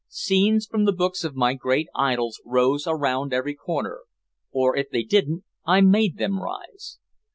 Scenes from the books of my great idols rose around every corner, or if they didn't I made them rise.